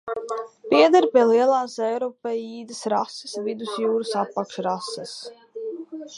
Pieder pie lielās eiropeīdās rases Vidusjūras apakšrases.